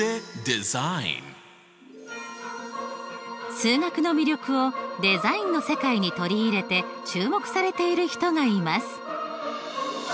数学の魅力をデザインの世界に取り入れて注目されている人がいます。